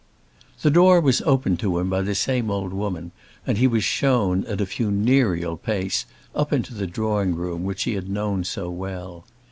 The door was opened to him by the same old woman, and he was shown, at a funereal pace, up into the drawing room which he had known so well.